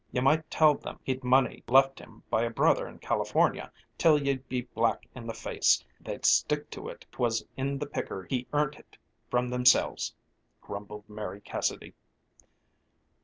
You might tell them he'd money left him by a brother in California till you'd be black in the face, they'd stick to it 'twas in the picker he earnt it from themselves," grumbled Mary Cassidy.